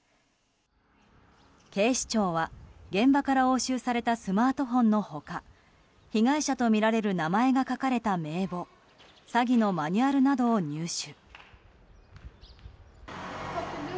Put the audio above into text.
警視庁は現場から押収されたスマートフォンの他被害者とみられる名前が書かれた名簿詐欺のマニュアルなどを入手。